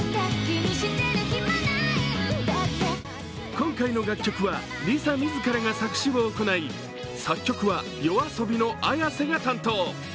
今回の楽曲はＬｉＳＡ自らが作詞を行い、作曲はＹＯＡＳＯＢＩのＡｙａｓｅが担当。